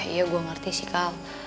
iya gue ngerti sih kal